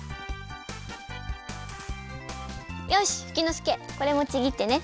よしフキノスケこれもちぎってね。